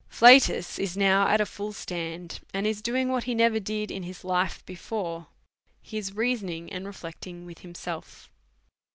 Flatus is now at a full stand, and is doing what he never did in his life before ; he is reasoning and re flecting with himself.